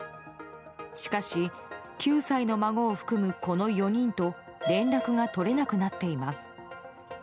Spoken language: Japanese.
しかし、９歳の孫を含むこの４人と連絡が取れなくなっています。